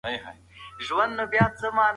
فيلسوفانو ويلي دي چي ټولنه تل بدلون مومي.